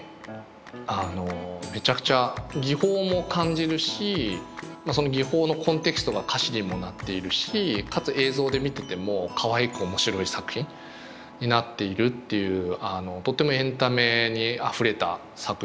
あのめちゃくちゃ技法も感じるしその技法のコンテキストが歌詞にもなっているしかつ映像で見ててもかわいく面白い作品になっているっていうとってもエンタメにあふれた作品だったんじゃないかなと。